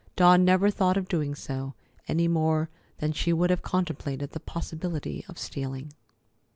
Dawn never thought of doing so, any more than she would have contemplated the possibility of stealing.